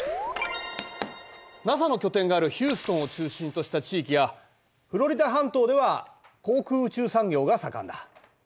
ＮＡＳＡの拠点があるヒューストンを中心とした地域やフロリダ半島では航空宇宙産業が盛んだ。